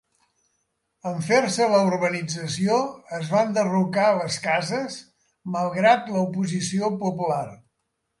En fer-se la urbanització es van derrocar les cases, malgrat l'oposició popular.